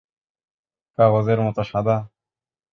কাগজের মতো সাদা?